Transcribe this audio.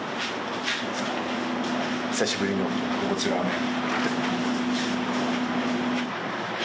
久しぶりの豚骨ラーメン。